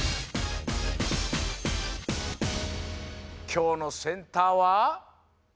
きょうのセンターは。